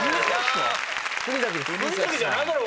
国崎じゃないだろ！